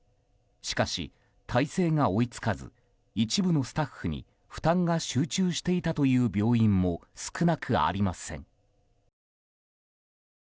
しかし、体制が追い付かず一部のスタッフに負担が集中していたという病院も少なくありません。